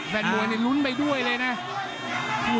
ฟานมัวนีรุ้นไปด้วยเลย